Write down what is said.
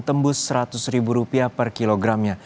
tembus seratus ribu rupiah per kilogramnya